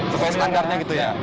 sesuai standarnya gitu ya